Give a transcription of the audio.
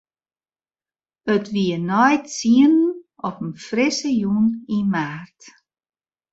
It wie nei tsienen op in frisse jûn yn maart.